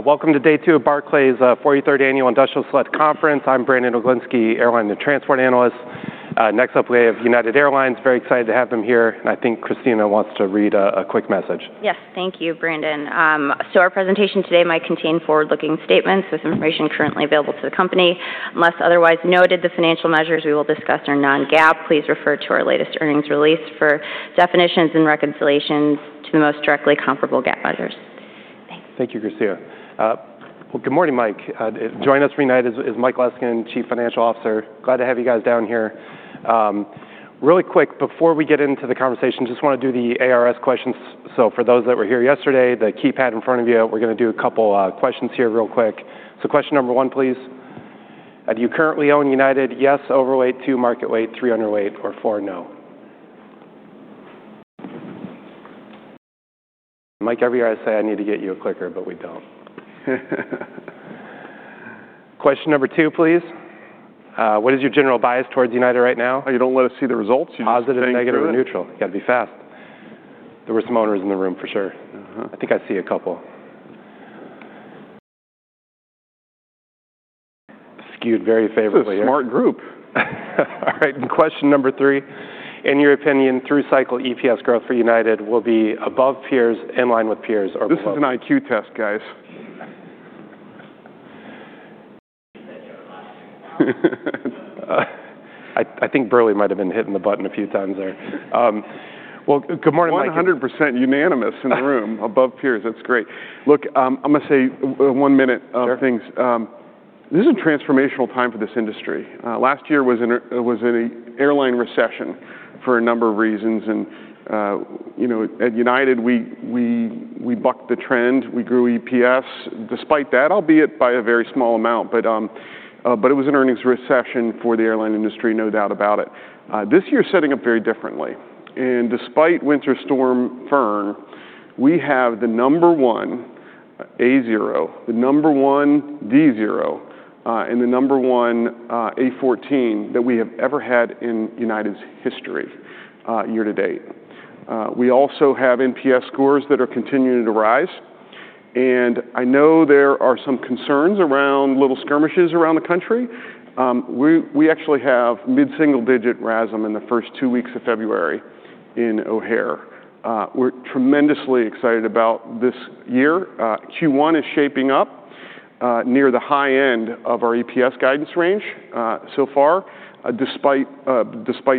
Welcome to day two of Barclays 43rd Annual Industrial Select Conference. I'm Brandon Oglenski, airline and transport analyst. Next up, we have United Airlines. Very excited to have them here, and I think Christina wants to read a quick message. Yes. Thank you, Brandon. So our presentation today might contain forward-looking statements with information currently available to the company. Unless otherwise noted, the financial measures we will discuss are non-GAAP. Please refer to our latest earnings release for definitions and reconciliations to the most directly comparable GAAP measures. Thanks. Thank you, Christina. Well, good morning, Mike. Joining us from United is Mike Leskinen, Chief Financial Officer. Glad to have you guys down here. Really quick, before we get into the conversation, just wanna do the ARS questions. So for those that were here yesterday, the keypad in front of you, we're gonna do a couple questions here real quick. So question number one, please. Do you currently own United? Yes, overweight, two, market weight, three, underweight, or four, no. Mike, every year I say I need to get you a clicker, but we don't. Question number two, please. What is your general bias towards United right now? Oh, you don't let us see the results? You just- Positive, negative, or neutral. You just went through it. Gotta be fast. There were some owners in the room, for sure. Uh-huh. I think I see a couple. Skewed very favorably. This is a smart group. All right, and question number three, in your opinion, through cycle EPS growth for United will be above peers, in line with peers, or below? This is an IQ test, guys. I think Burley might have been hitting the button a few times there. Well, good morning, Mike 100% unanimous in the room, above peers. That's great. Look, I'm gonna say one minute. Sure Things. This is a transformational time for this industry. Last year was an airline recession for a number of reasons, and, you know, at United, we bucked the trend. We grew EPS despite that, albeit by a very small amount, but it was an earnings recession for the airline industry, no doubt about it. This year's setting up very differently, and despite Winter Storm Fern, we have the number one A0, the number one D0, and the number one A14 that we have ever had in United's history, year to date. We also have NPS scores that are continuing to rise, and I know there are some concerns around little skirmishes around the country. We actually have mid-single-digit RASM in the first two weeks of February in O'Hare. We're tremendously excited about this year. Q1 is shaping up near the high end of our EPS guidance range so far, despite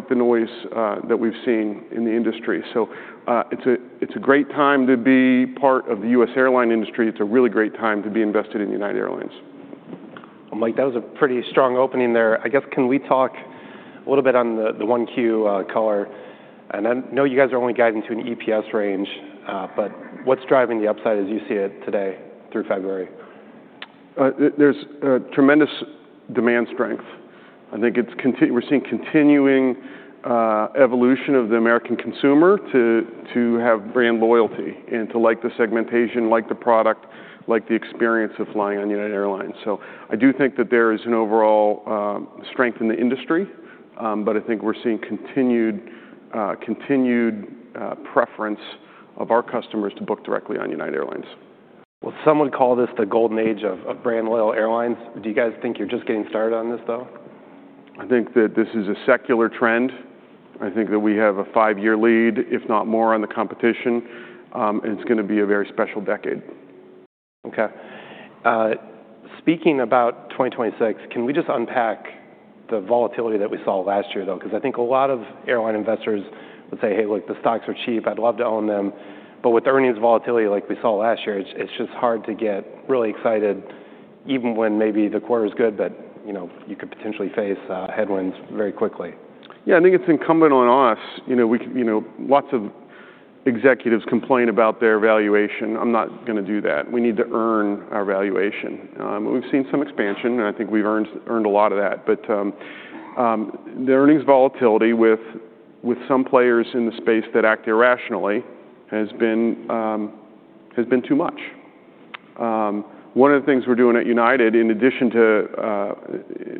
the noise that we've seen in the industry. So, it's a great time to be part of the U.S. airline industry. It's a really great time to be invested in United Airlines. Well, Mike, that was a pretty strong opening there. I guess, can we talk a little bit on the, the 1Q, color? I know you guys are only guiding to an EPS range, but what's driving the upside as you see it today through February? There's a tremendous demand strength. I think it's—we're seeing continuing evolution of the American consumer to have brand loyalty and to like the segmentation, like the product, like the experience of flying on United Airlines. So I do think that there is an overall strength in the industry, but I think we're seeing continued preference of our customers to book directly on United Airlines. Well, some would call this the golden age of brand loyal airlines. Do you guys think you're just getting started on this, though? I think that this is a secular trend. I think that we have a five-year lead, if not more, on the competition, and it's gonna be a very special decade. Okay. Speaking about 2026, can we just unpack the volatility that we saw last year, though? 'Cause I think a lot of airline investors would say, "Hey, look, the stocks are cheap. I'd love to own them," but with earnings volatility like we saw last year, it's, it's just hard to get really excited, even when maybe the quarter is good, but, you know, you could potentially face headwinds very quickly. Yeah, I think it's incumbent on us. You know, lots of executives complain about their valuation. I'm not gonna do that. We need to earn our valuation. We've seen some expansion, and I think we've earned a lot of that, but the earnings volatility with some players in the space that act irrationally has been too much. One of the things we're doing at United, in addition to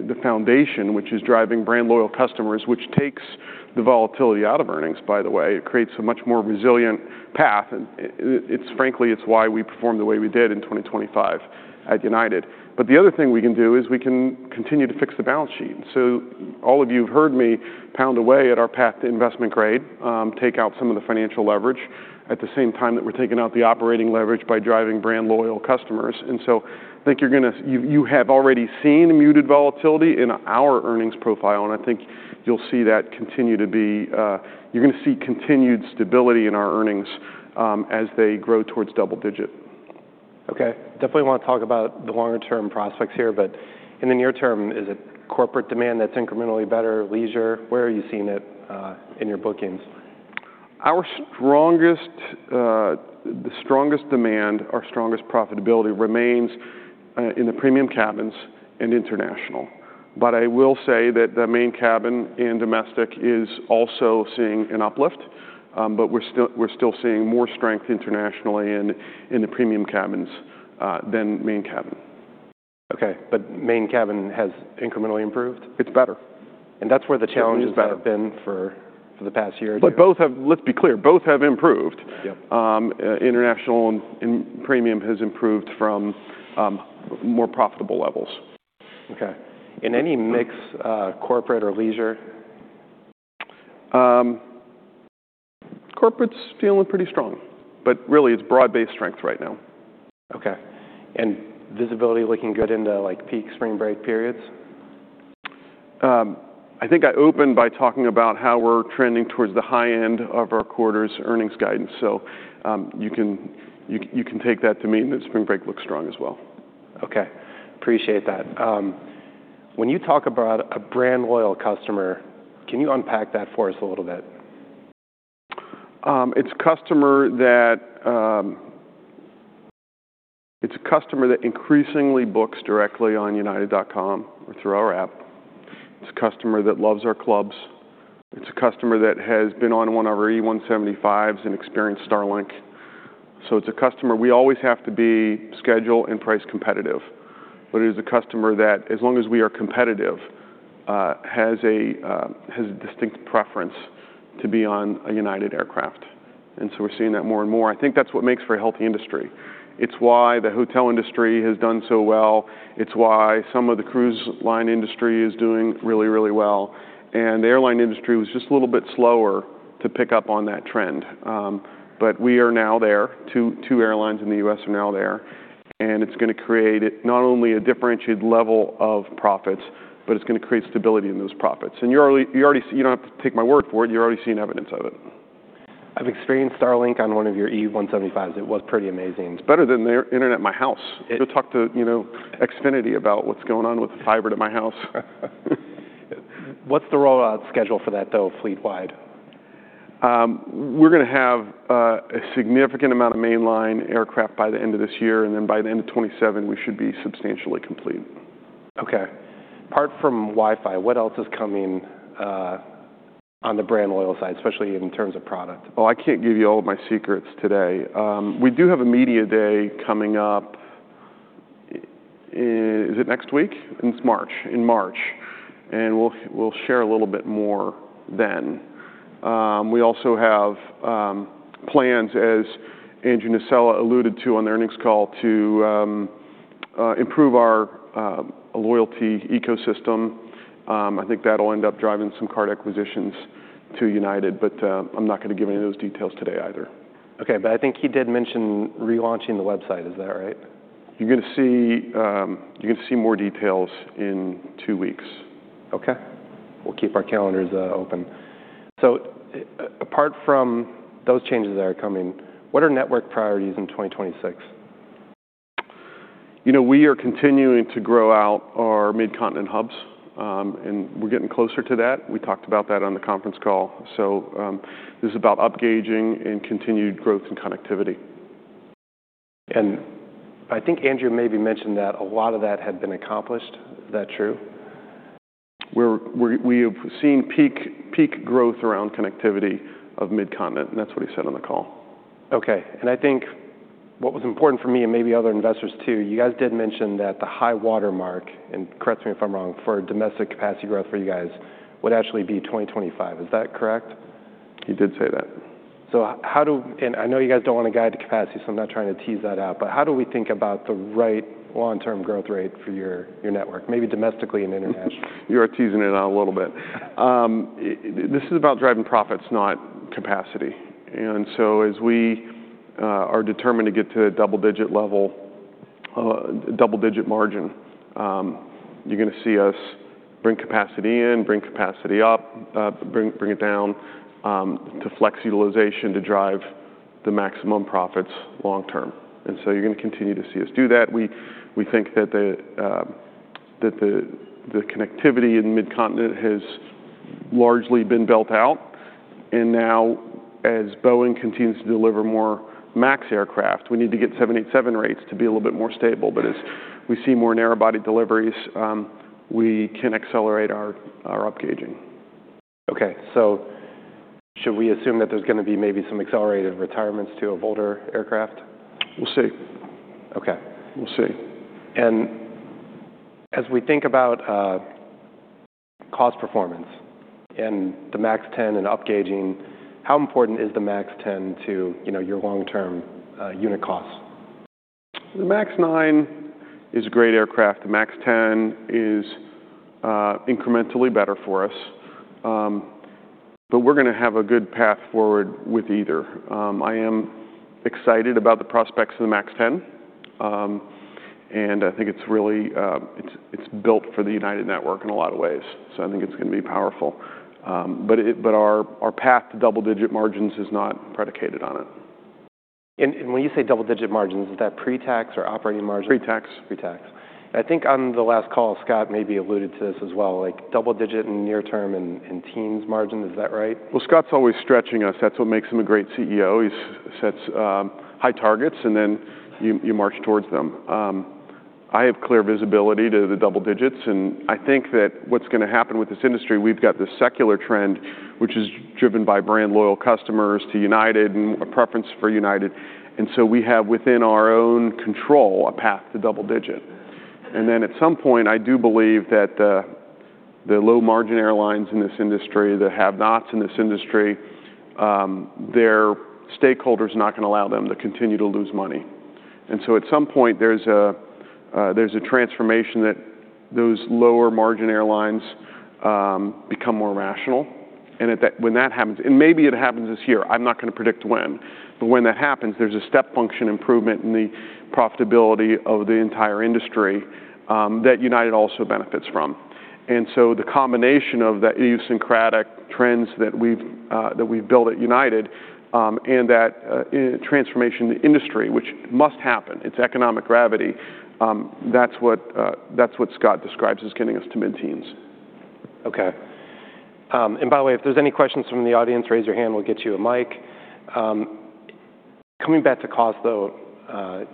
the foundation, which is driving brand-loyal customers, which takes the volatility out of earnings, by the way, it creates a much more resilient path, and it's frankly why we performed the way we did in 2025 at United. But the other thing we can do is we can continue to fix the balance sheet. So all of you have heard me pound away at our path to Investment Grade, take out some of the financial leverage at the same time that we're taking out the operating leverage by driving brand-loyal customers. And so I think you're gonna. You have already seen muted volatility in our earnings profile, and I think you'll see that continue to be. You're gonna see continued stability in our earnings as they grow towards double digit. Okay. Definitely wanna talk about the longer term prospects here, but in the near term, is it corporate demand that's incrementally better, leisure? Where are you seeing it, in your bookings? Our strongest, the strongest demand, our strongest profitability remains in the premium cabins and international. But I will say that the main cabin in domestic is also seeing an uplift, but we're still, we're still seeing more strength internationally and in the premium cabins than main cabin. Okay, but main cabin has incrementally improved? It's better. And that's where the challenges- It's better have been for the past year or two? Let's be clear, both have improved. Yep. International and premium has improved from more profitable levels. Okay. In any mix, corporate or leisure? Corporate's feeling pretty strong, but really, it's broad-based strength right now. Okay. Visibility looking good into, like, peak spring break periods? I think I opened by talking about how we're trending towards the high end of our quarter's earnings guidance. So, you can take that to mean that spring break looks strong as well. Okay, appreciate that. When you talk about a brand loyal customer, can you unpack that for us a little bit? It's a customer that increasingly books directly on united.com or through our app. It's a customer that loves our clubs. It's a customer that has been on one of our E175s and experienced Starlink. So it's a customer we always have to be schedule and price competitive, but it is a customer that, as long as we are competitive, has a distinct preference to be on a United aircraft, and so we're seeing that more and more. I think that's what makes for a healthy industry. It's why the hotel industry has done so well. It's why some of the cruise line industry is doing really, really well, and the airline industry was just a little bit slower to pick up on that trend. But we are now there. 2 airlines in the U.S. are now there, and it's gonna create not only a differentiated level of profits, but it's gonna create stability in those profits. And you're already. You don't have to take my word for it, you're already seeing evidence of it. I've experienced Starlink on one of your E175s. It was pretty amazing. It's better than the internet at my house. It- Go talk to, you know, Xfinity about what's going on with the fiber at my house. What's the rollout schedule for that, though, fleet-wide? We're gonna have a significant amount of mainline aircraft by the end of this year, and then by the end of 2027, we should be substantially complete. Okay. Apart from Wi-Fi, what else is coming on the brand loyalty side, especially in terms of product? Well, I can't give you all of my secrets today. We do have a media day coming up, is it next week? In March, in March, and we'll, we'll share a little bit more then. We also have plans, as Andrew Nocella alluded to on the earnings call, to improve our loyalty ecosystem. I think that'll end up driving some card acquisitions to United, but, I'm not gonna give any of those details today either. Okay, but I think he did mention relaunching the website. Is that right? You're gonna see, you're gonna see more details in two weeks. Okay. We'll keep our calendars open. So apart from those changes that are coming, what are network priorities in 2026? You know, we are continuing to grow out our mid-continent hubs, and we're getting closer to that. We talked about that on the conference call. So, this is about upgauging and continued growth and connectivity. I think Andrew maybe mentioned that a lot of that had been accomplished. Is that true? We have seen peak growth around connectivity of mid-continent, and that's what he said on the call. Okay, and I think what was important for me and maybe other investors too, you guys did mention that the high-water mark, and correct me if I'm wrong, for domestic capacity growth for you guys would actually be 2025. Is that correct? He did say that. So how do, and I know you guys don't want to guide to capacity, so I'm not trying to tease that out, but how do we think about the right long-term growth rate for your, your network, maybe domestically and internationally? You are teasing it out a little bit. This is about driving profits, not capacity. And so as we are determined to get to a double-digit level, double-digit margin, you're gonna see us bring capacity in, bring capacity up, bring it down, to flex utilization to drive the maximum profits long term. And so you're gonna continue to see us do that. We think that the connectivity in mid-continent has largely been built out, and now, as Boeing continues to deliver more MAX aircraft, we need to get 787 rates to be a little bit more stable. But as we see more narrow body deliveries, we can accelerate our up gauging. Okay, so should we assume that there's gonna be maybe some accelerated retirements to older aircraft? We'll see. Okay. We'll see. As we think about cost performance and the MAX 9 and upgauging, how important is the MAX 10 to, you know, your long-term unit costs? The MAX 9 is a great aircraft. The MAX 10 is incrementally better for us, but we're gonna have a good path forward with either. I am excited about the prospects of the MAX 10, and I think it's really built for the United network in a lot of ways, so I think it's gonna be powerful. But our path to double-digit margins is not predicated on it. When you say double-digit margins, is that pre-tax or operating margin? Pre-tax. Pre-tax. I think on the last call, Scott maybe alluded to this as well, like double digit in near term and teens margin. Is that right? Well, Scott's always stretching us. That's what makes him a great CEO. He sets high targets, and then you, you march towards them. I have clear visibility to the double digits, and I think that what's gonna happen with this industry, we've got this secular trend, which is driven by brand loyal customers to United and a preference for United, and so we have, within our own control, a path to double digit. And then at some point, I do believe that the low margin airlines in this industry, the have-nots in this industry, their stakeholders are not going to allow them to continue to lose money. And so at some point, there's a transformation that those lower margin airlines become more rational. And at that, when that happens, and maybe it happens this year, I'm not going to predict when, but when that happens, there's a step function improvement in the profitability of the entire industry, that United also benefits from. And so the combination of the idiosyncratic trends that we've built at United, and that transformation in the industry, which must happen, it's economic gravity, that's what Scott describes as getting us to mid-teens. Okay. And by the way, if there's any questions from the audience, raise your hand, we'll get you a mic. Coming back to cost, though,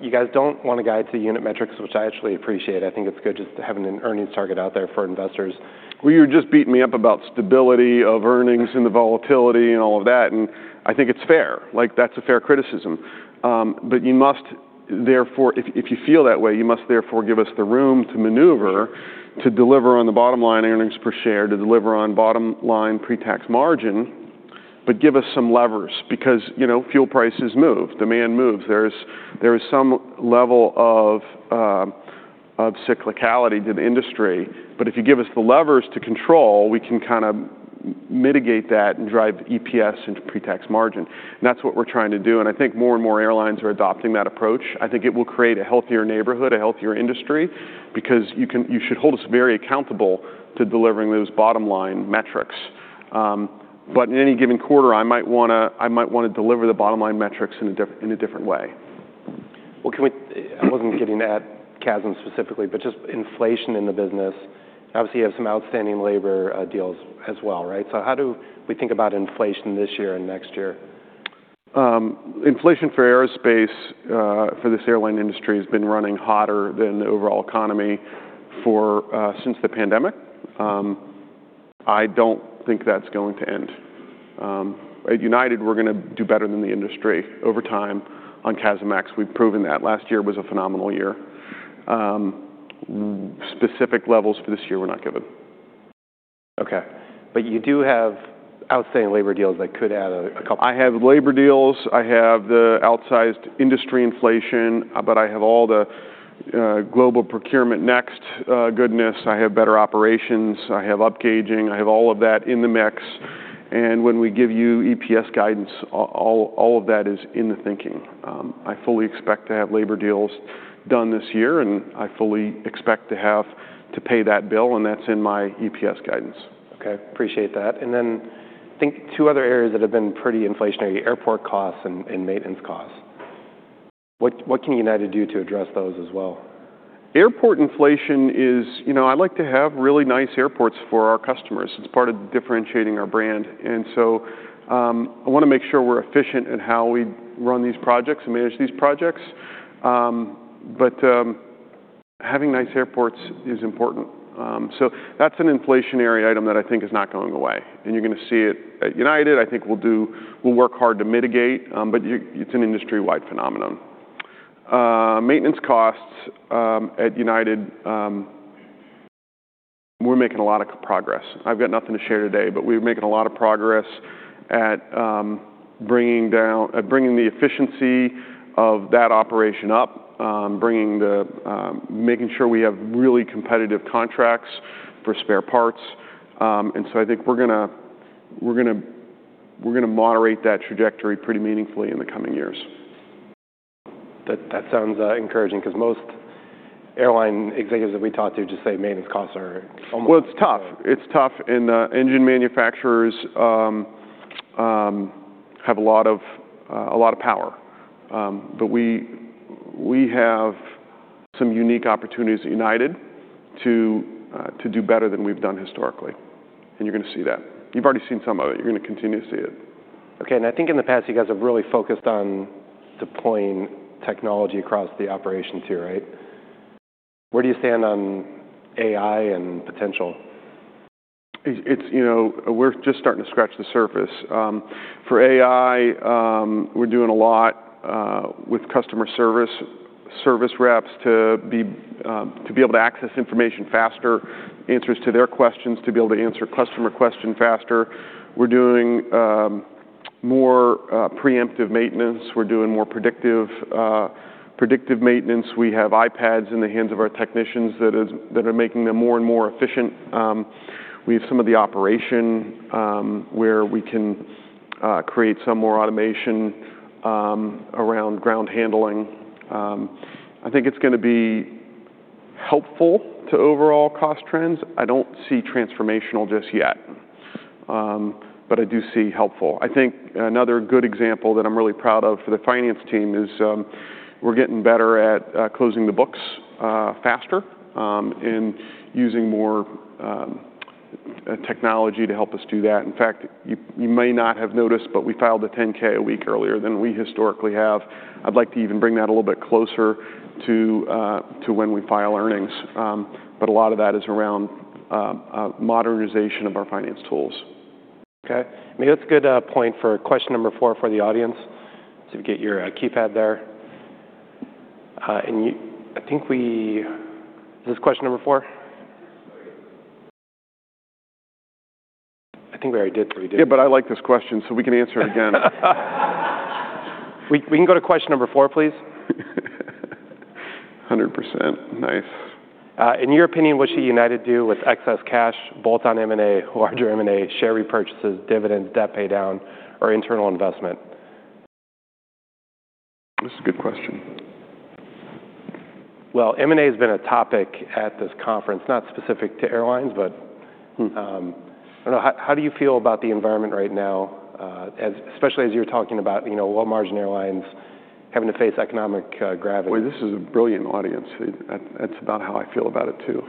you guys don't want to guide to unit metrics, which I actually appreciate. I think it's good just having an earnings target out there for investors. Well, you're just beating me up about stability of earnings and the volatility and all of that, and I think it's fair. Like, that's a fair criticism. But you must therefore, if, if you feel that way, you must therefore give us the room to maneuver, to deliver on the bottom line earnings per share, to deliver on bottom-line pre-tax margin, but give us some levers because, you know, fuel prices move, demand moves. There is, there is some level of, of cyclicality to the industry, but if you give us the levers to control, we can kind of mitigate that and drive EPS into pre-tax margin. And that's what we're trying to do, and I think more and more airlines are adopting that approach. I think it will create a healthier neighborhood, a healthier industry, because you should hold us very accountable to delivering those bottom-line metrics. But in any given quarter, I might want to deliver the bottom-line metrics in a different way. Well, I wasn't getting at CASM specifically, but just inflation in the business. Obviously, you have some outstanding labor deals as well, right? So how do we think about inflation this year and next year? Inflation for aerospace, for this airline industry, has been running hotter than the overall economy for, since the pandemic. I don't think that's going to end. At United, we're gonna do better than the industry over time on CASM-ex. We've proven that. Last year was a phenomenal year. Specific levels for this year were not given. Okay, but you do have outstanding labor deals that could add a couple- I have labor deals, I have the outsized industry inflation, but I have all the global procurement next goodness, I have better operations, I have upgauging. I have all of that in the mix, and when we give you EPS guidance, all, all of that is in the thinking. I fully expect to have labor deals done this year, and I fully expect to have to pay that bill, and that's in my EPS guidance. Okay, appreciate that. Then I think two other areas that have been pretty inflationary, airport costs and maintenance costs. What can United do to address those as well? Airport inflation is. You know, I like to have really nice airports for our customers. It's part of differentiating our brand, and so, I want to make sure we're efficient in how we run these projects and manage these projects. But, having nice airports is important. So that's an inflationary item that I think is not going away, and you're going to see it at United. I think we'll work hard to mitigate, but it's an industry-wide phenomenon. Maintenance costs, at United, we're making a lot of progress. I've got nothing to share today, but we're making a lot of progress at bringing the efficiency of that operation up, making sure we have really competitive contracts for spare parts. I think we're gonna moderate that trajectory pretty meaningfully in the coming years. That, that sounds encouraging because most airline executives that we talk to just say maintenance costs are almost- Well, it's tough. It's tough, and engine manufacturers have a lot of power. But we have some unique opportunities at United to do better than we've done historically, and you're gonna see that. You've already seen some of it. You're gonna continue to see it. Okay, and I think in the past, you guys have really focused on deploying technology across the operations here, right? Where do you stand on AI and potential? It's you know, we're just starting to scratch the surface. For AI, we're doing a lot with customer service, service reps to be able to access information faster, answers to their questions, to be able to answer customer question faster. We're doing more preemptive maintenance. We're doing more predictive maintenance. We have iPads in the hands of our technicians that are making them more and more efficient. We have some of the operation where we can create some more automation around ground handling. I think it's gonna be helpful to overall cost trends. I don't see transformational just yet, but I do see helpful. I think another good example that I'm really proud of for the finance team is, we're getting better at closing the books faster and using more technology to help us do that. In fact, you, you may not have noticed, but we filed a 10-K a week earlier than we historically have. I'd like to even bring that a little bit closer to when we file earnings. But a lot of that is around modernization of our finance tools. Okay. I mean, that's a good point for question number four for the audience. So get your keypad there. And you, I think. Is this question number four? I think we already did three, didn't we? Yeah, but I like this question, so we can answer it again. We can go to question number four, please. 100%. Nice. In your opinion, what should United do with excess cash, both on M&A or larger M&A, share repurchases, dividends, debt paydown, or internal investment? This is a good question. Well, M&A has been a topic at this conference, not specific to airlines, but- Mm. I don't know, how do you feel about the environment right now, especially as you're talking about, you know, low-margin airlines having to face economic gravity? Well, this is a brilliant audience. That's about how I feel about it, too.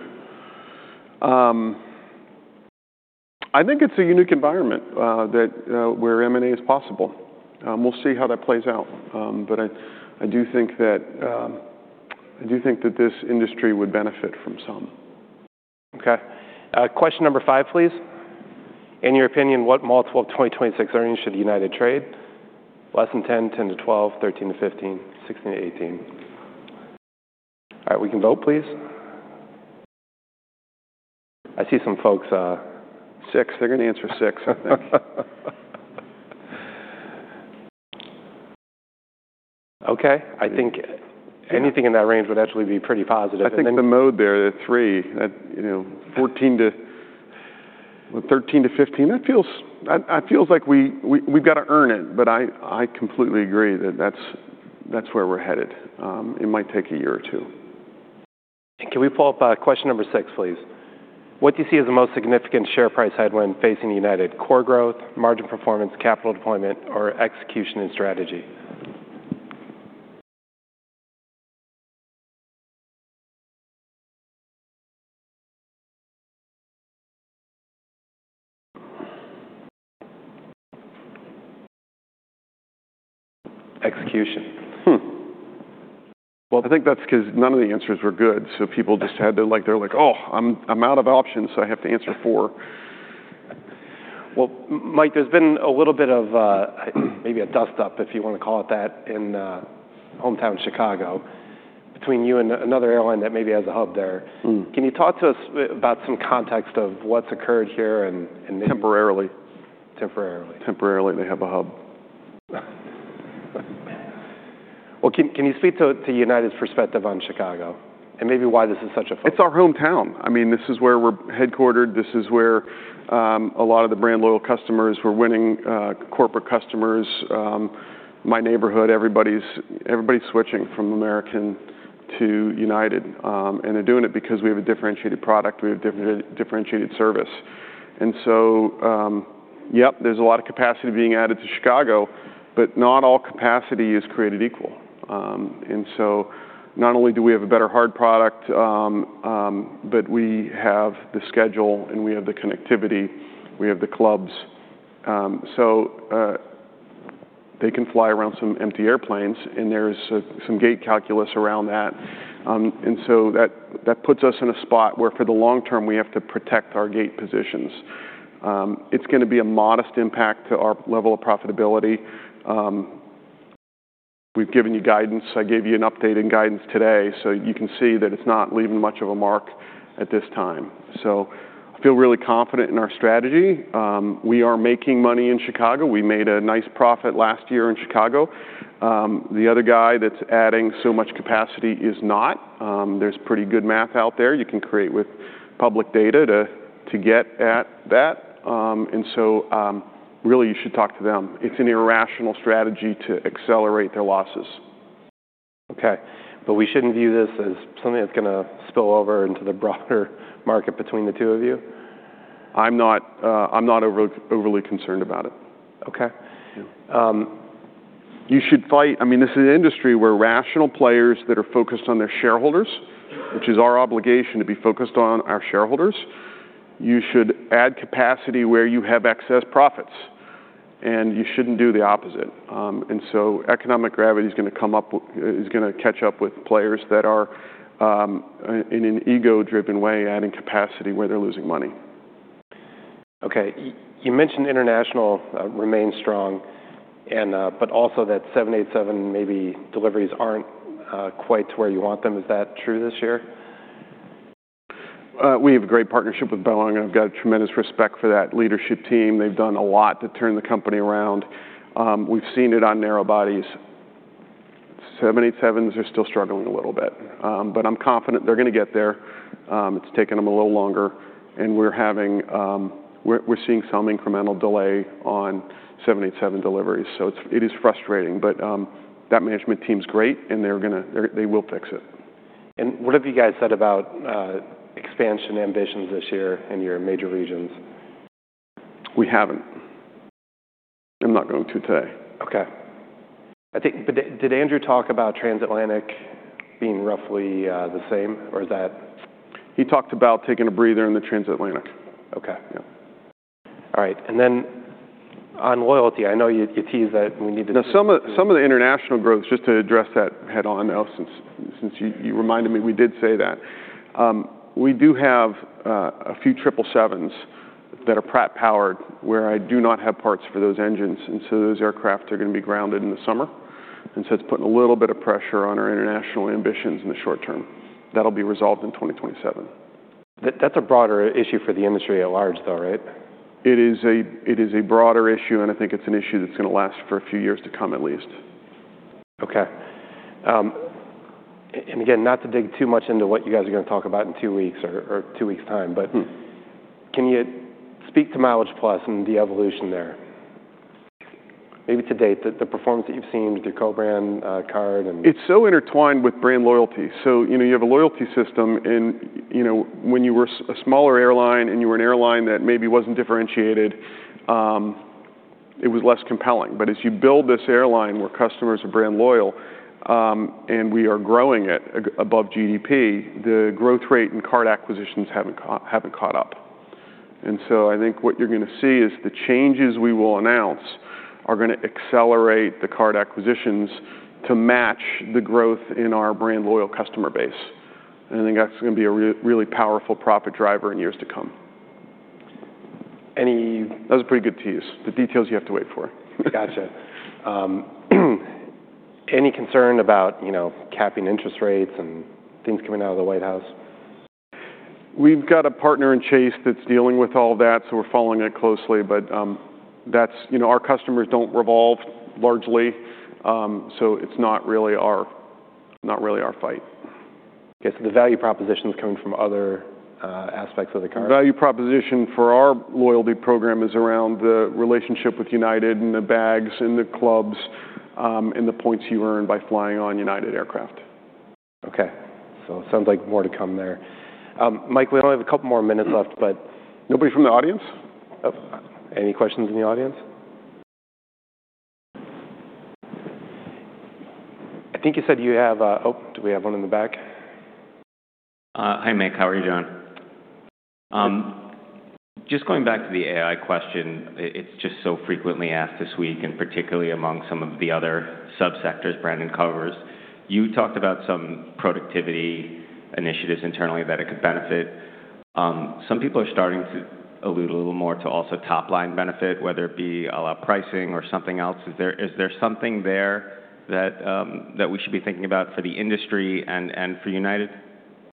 I think it's a unique environment where M&A is possible. We'll see how that plays out. But I do think that this industry would benefit from some. Okay. Question number five, please. In your opinion, what multiple of 2026 earnings should United trade? Less than 10, 10-12, 13-15, 16-18. All right, we can vote, please. I see some folks, Six. They're gonna answer six, I think. Okay. I think- Yeah. Anything in that range would actually be pretty positive. And then- I think the mode there, the three, that, you know, 14-13 -15, that feels like we've got to earn it, but I completely agree that that's where we're headed. It might take a year or two. Can we follow up by question number six, please? What do you see as the most significant share price headwind facing United: core growth, margin performance, capital deployment, or execution and strategy? Execution. Hmm. Well, I think that's 'cause none of the answers were good, so people just had to-- like, they're like, "Oh, I'm out of options, so I have to answer four. Well, Mike, there's been a little bit of, maybe a dust-up, if you want to call it that, in hometown Chicago, between you and another airline that maybe has a hub there. Mm. Can you talk to us a bit about some context of what's occurred here and? Temporarily. Temporarily. Temporarily, they have a hub. Yeah. Well, can you speak to United's perspective on Chicago and maybe why this is such a focus? It's our hometown. I mean, this is where we're headquartered. This is where, a lot of the brand loyal customers, we're winning, corporate customers. My neighborhood, everybody's switching from American to United, and they're doing it because we have a differentiated product, we have differentiated service. And so, yep, there's a lot of capacity being added to Chicago, but not all capacity is created equal. And so not only do we have a better hard product, but we have the schedule, and we have the connectivity, we have the clubs. So, they can fly around some empty airplanes, and there's some gate calculus around that. And so that puts us in a spot where for the long term, we have to protect our gate positions. It's gonna be a modest impact to our level of profitability. We've given you guidance. I gave you an update in guidance today, so you can see that it's not leaving much of a mark at this time. So I feel really confident in our strategy. We are making money in Chicago. We made a nice profit last year in Chicago. The other guy that's adding so much capacity is not. There's pretty good math out there. You can create with public data to get at that. And so, really, you should talk to them. It's an irrational strategy to accelerate their losses. Okay. But we shouldn't view this as something that's gonna spill over into the broader market between the two of you? I'm not overly concerned about it. Okay. You should fight, I mean, this is an industry where rational players that are focused on their shareholders, which is our obligation to be focused on our shareholders, you should add capacity where you have excess profits, and you shouldn't do the opposite. And so economic gravity is gonna catch up with players that are in an ego-driven way adding capacity where they're losing money. Okay. You mentioned international remains strong, and, but also that 787 maybe deliveries aren't quite where you want them. Is that true this year? We have a great partnership with Boeing. I've got a tremendous respect for that leadership team. They've done a lot to turn the company around. We've seen it on narrow bodies. Seven eight sevens are still struggling a little bit, but I'm confident they're gonna get there. It's taking them a little longer, and we're having, we're seeing some incremental delay on seven eight seven deliveries, so it is frustrating, but that management team's great, and they're gonna, they will fix it. What have you guys said about expansion ambitions this year in your major regions? We haven't. I'm not going to today. Okay. I think, but did Andrew talk about transatlantic being roughly the same, or is that- He talked about taking a breather in the transatlantic. Okay. Yeah. All right. And then on loyalty, I know you, you teased that we need to- Now, some of the international growth, just to address that head-on, though, since you reminded me, we did say that. We do have a few 777s that are Pratt-powered, where I do not have parts for those engines, and so those aircraft are going to be grounded in the summer. And so it's putting a little bit of pressure on our international ambitions in the short term. That'll be resolved in 2027. That's a broader issue for the industry at large, though, right? It is a broader issue, and I think it's an issue that's going to last for a few years to come, at least. Okay. And again, not to dig too much into what you guys are going to talk about in two weeks or, or two weeks' time, but- Mm. Can you speak to MileagePlus and the evolution there? Maybe to date, the performance that you've seen with your co-brand card, and- It's so intertwined with brand loyalty. So, you know, you have a loyalty system, and, you know, when you were a smaller airline, and you were an airline that maybe wasn't differentiated, it was less compelling. But as you build this airline where customers are brand loyal, and we are growing it above GDP, the growth rate in card acquisitions haven't caught up. And so I think what you're gonna see is the changes we will announce are gonna accelerate the card acquisitions to match the growth in our brand loyal customer base. And I think that's gonna be a really powerful profit driver in years to come. Any- That was a pretty good tease. The details you have to wait for. Gotcha. Any concern about, you know, capping interest rates and things coming out of the White House? We've got a partner in Chase that's dealing with all that, so we're following it closely, but that's, you know, our customers don't revolve largely, so it's not really our fight. Okay, so the value proposition is coming from other aspects of the card. The value proposition for our loyalty program is around the relationship with United and the bags and the clubs, and the points you earn by flying on United aircraft. Okay. Sounds like more to come there. Mike, we only have a couple more minutes left, but- Nobody from the audience? Oh, any questions in the audience? I think you said you have, Oh, do we have one in the back? Hi, Mike, how are you doing? Just going back to the AI question, it's just so frequently asked this week, and particularly among some of the other subsectors Brandon covers. You talked about some productivity initiatives internally that it could benefit. Some people are starting to allude a little more to also top-line benefit, whether it be a la pricing or something else. Is there, is there something there that we should be thinking about for the industry and for United?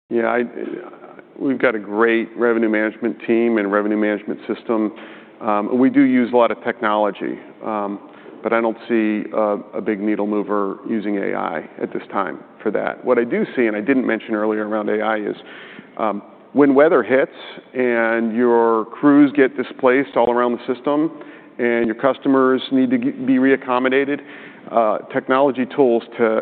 Yeah, I, we've got a great revenue management team and revenue management system. We do use a lot of technology, but I don't see a big needle mover using AI at this time for that. What I do see, and I didn't mention earlier around AI, is when weather hits and your crews get displaced all around the system and your customers need to be re-accommodated, technology tools to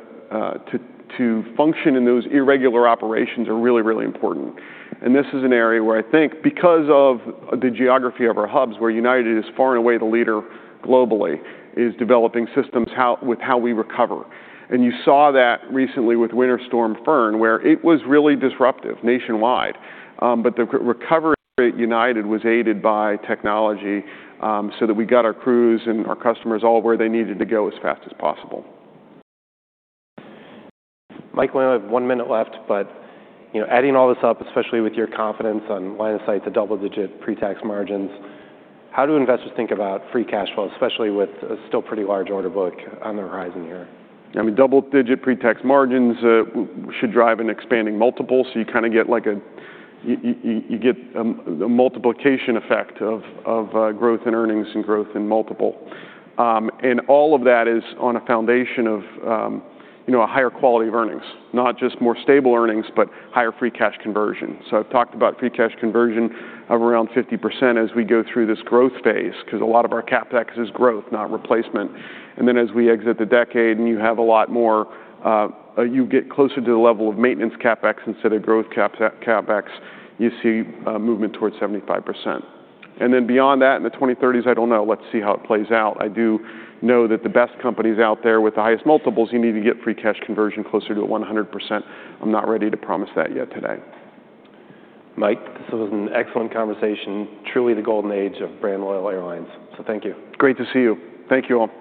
function in those irregular operations are really, really important. And this is an area where I think because of the geography of our hubs, where United is far and away the leader globally, is developing systems with how we recover. You saw that recently with Winter Storm Fern, where it was really disruptive nationwide, but the recovery at United was aided by technology, so that we got our crews and our customers all where they needed to go as fast as possible. Mike, we only have one minute left, but, you know, adding all this up, especially with your confidence on line of sight to double-digit pre-tax margins, how do investors think about free cash flow, especially with a still pretty large order book on the horizon here? I mean, double-digit pre-tax margins should drive an expanding multiple, so you kind of get like a multiplication effect of growth in earnings and growth in multiple. And all of that is on a foundation of you know, a higher quality of earnings, not just more stable earnings, but higher free cash conversion. So I've talked about free cash conversion of around 50% as we go through this growth phase, 'cause a lot of our CapEx is growth, not replacement. And then, as we exit the decade and you have a lot more, you get closer to the level of maintenance CapEx instead of growth CapEx, you see, movement towards 75%. And then, beyond that, in the 2030s, I don't know. Let's see how it plays out. I do know that the best companies out there with the highest multiples, you need to get free cash conversion closer to 100%. I'm not ready to promise that yet today. Mike, this was an excellent conversation. Truly the golden age of brand loyal airlines, so thank you. Great to see you. Thank you, all.